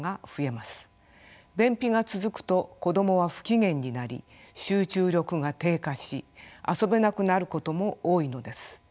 便秘が続くと子どもは不機嫌になり集中力が低下し遊べなくなることも多いのです。